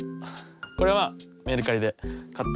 これはメルカリで買った。